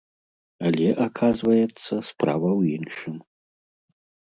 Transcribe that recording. Але, аказваецца, справа ў іншым.